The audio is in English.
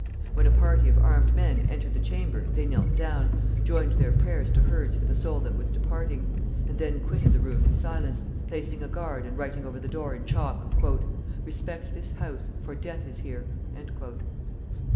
When a party of armed men entered the chamber they knelt down, joined their prayers to hers for the soul that was departing, and then quitted the room in silence, placing a guard and writing over the door in chalk: "Respect this house, for death is here."